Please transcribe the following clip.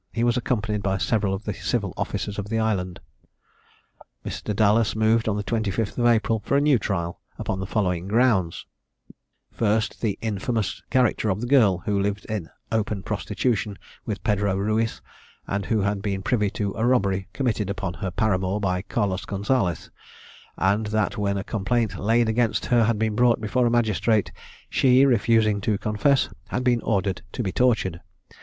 He was accompanied by several of the civil officers of the island. Mr. Dallas moved on the 25th of April for a new trial, upon the following grounds: First, The infamous character of the girl, who lived in open prostitution with Pedro Ruiz, and who had been privy to a robbery committed upon her paramour by Carlos Gonzalez; and that when a complaint laid against her had been brought before a magistrate, she, refusing to confess, had been ordered to be tortured.